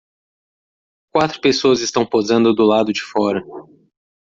Quatro pessoas estão posando do lado de fora.